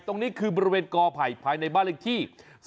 ตรงนี้ก็คือบริเวณกภภายในบ้านอยู่ที่